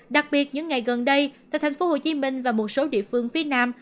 đặc biệt những ngày gần đây tại thành phố hồ chí minh và một số địa phương phía nam